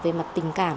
về mặt tình cảm